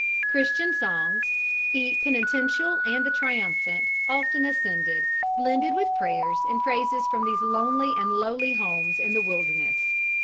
Christian songs, the penitential and the triumphant, often ascended, blended with prayers and praises from these lonely and lowly homes in the wilderness.